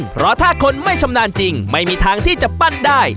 เพราะถ้าคนไม่ชำนาญจริงไม่มีทางที่จะปั้นได้